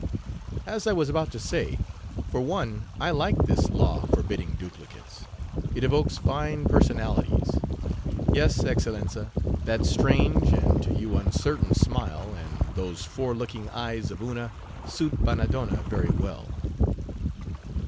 As I was about to say: for one, I like this law forbidding duplicates. It evokes fine personalities. Yes, Excellenza, that strange, and—to you—uncertain smile, and those fore looking eyes of Una, suit Bannadonna very well."